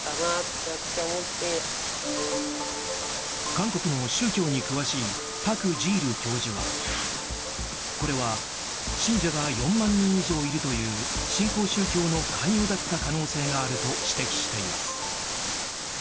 韓国の宗教に詳しいタク・ジイル教授はこれは信者が４万人以上いるという新興宗教の勧誘だった可能性があると指摘しています。